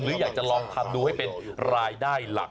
อยากจะลองทำดูให้เป็นรายได้หลัก